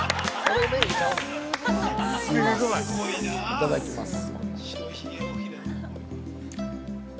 ◆いただきます。